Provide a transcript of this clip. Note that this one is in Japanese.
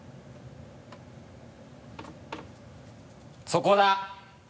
そこだ。